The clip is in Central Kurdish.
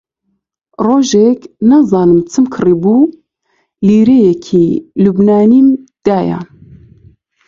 ڕۆژێک نازانم چم کڕیبوو، لیرەیەکی لوبنانیم دایە